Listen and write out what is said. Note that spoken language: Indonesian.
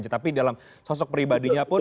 tetapi dalam sosok pribadinya pun